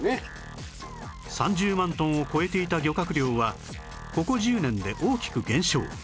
３０万トンを超えていた漁獲量はここ１０年で大きく減少